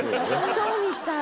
そうみたい。